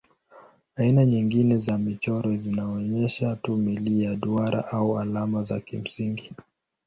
Aina nyingine za michoro zinaonyesha tu milia, duara au alama za kimsingi.